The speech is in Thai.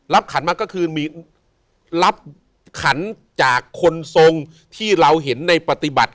ขันมาก็คือมีรับขันจากคนทรงที่เราเห็นในปฏิบัติ